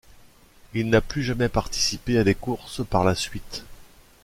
Il n'a plus jamais participé à des courses par la suite.